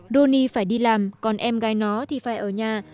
dhoni phải đi làm còn em gái nó thì phải ở nhà